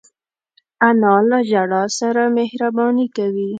انا له ژړا سره مهربانې کوي